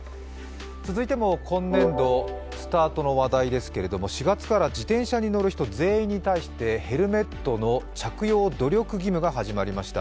続いても、今年度スタートの話題ですけれども、４月から自転車に乗る人全員に対してヘルメット着用の努力義務が始まりました。